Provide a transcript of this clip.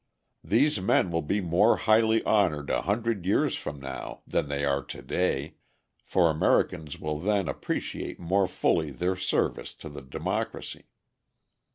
These men will be more highly honoured a hundred years from now than they are to day, for Americans will then appreciate more fully their service to the democracy.